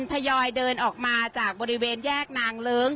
ทยอยเดินออกมาจากบริเวณแยกนางเลิ้ง